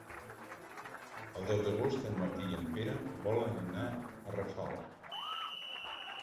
El deu d'agost en Martí i en Pere volen anar a Rafal.